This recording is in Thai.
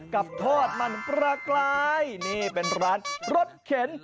กับทอดมันปลากลายนี่เป็นร้านรถเข็น